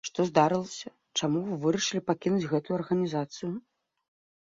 Што здарылася, чаму вы вырашылі пакінуць гэтую арганізацыю?